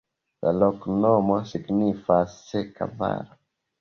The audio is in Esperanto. La loknomo signifas: seka valo.